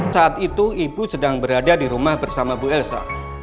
saat itu ibu sedang berada di rumah bersama bu elsa